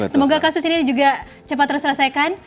semoga kasus ini juga cepat terselesaikan